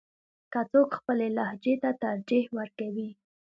که څوک خپلې لهجې ته ترجیح ورکوي.